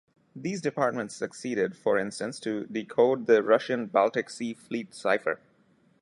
These departments succeeded, for instance, to decode the Russian Baltic Sea Fleet cipher.